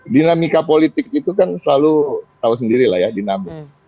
dinamika politik itu kan selalu tahu sendiri lah ya dinamis